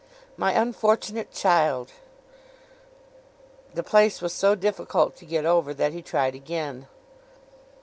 'My unfortunate child.' The place was so difficult to get over, that he tried again.